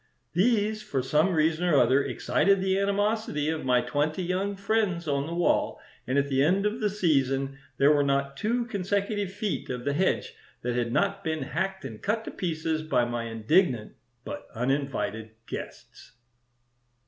These, for some reason or other, excited the animosity of my twenty young friends on the wall, and at the end of the season there were not two consecutive feet of the hedge that had not been hacked and cut to pieces by my indignant but uninvited guests."